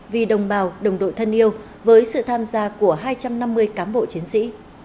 vì đồng bào đồng đội thân yêu với sự tham gia của hai trăm năm mươi cán bộ chiến sĩ